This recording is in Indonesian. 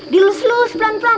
di lus lulus pelan pelan